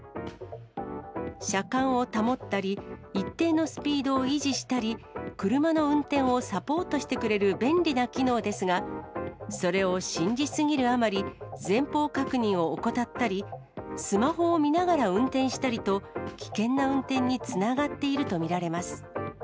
車間を保ったり、一定のスピードを維持したり、車の運転をサポートしてくれる便利な機能ですが、それを信じ過ぎるあまり、前方確認を怠ったり、スマホを見ながら運転したりと、危険な運転につながっていると見られます。